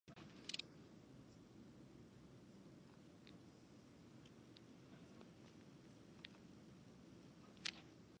Online shopping offers a wide range of options, often at competitive prices.